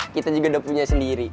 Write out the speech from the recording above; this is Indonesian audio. kita juga udah punya sendiri